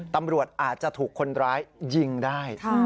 ตำรวจอาจจะถูกคนร้ายยิงได้